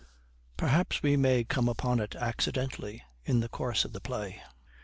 Perhaps we may come upon it accidentally in the course of the play.